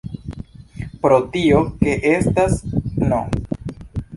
Pro tio ke estas "n!